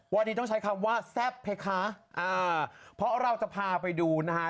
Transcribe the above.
วันนี้ต้องใช้คำว่าแซ่บไหมคะอ่าเพราะเราจะพาไปดูนะฮะ